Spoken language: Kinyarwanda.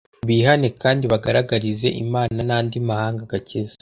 bihane kandi bagaragarize Imana n’andi mahanga agakiza